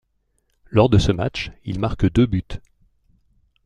Lors de ce match, il marque deux buts.